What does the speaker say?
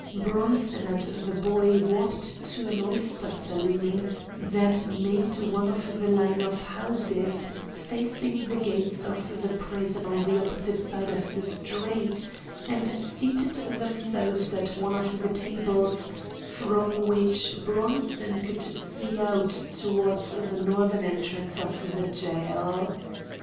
Bronson and the boy walked to an oyster saloon that made one of the line of houses facing the gates of the prison on the opposite side of the street, and seated themselves at one of the tables from which Bronson could see out towards the northern entrance of the jail.